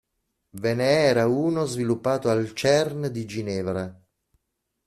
Ve ne era uno sviluppato al CERN di Ginevra.